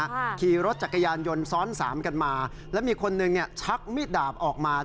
ขี่รถจักรยานยนต์ซ้อนสามกันมาแล้วมีคนหนึ่งเนี้ยชักมีดดาบออกมา